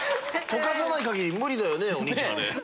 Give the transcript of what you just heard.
溶かさない限り無理だよね。